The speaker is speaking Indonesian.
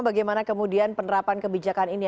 bagaimana kemudian penerapan kebijakan ini